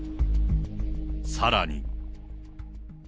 さらに。